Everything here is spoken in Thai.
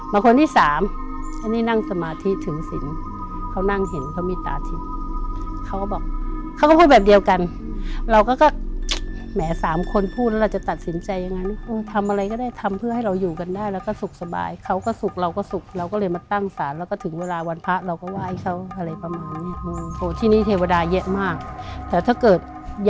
มาคนที่สามอันนี้นั่งสมาธิถือสินเขานั่งเห็นเขามีตาถิด